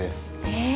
へえ！